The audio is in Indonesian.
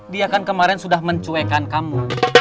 dia kan kemarin sudah mencuekan kamu